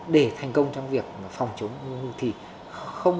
để thành công trong việc phòng chống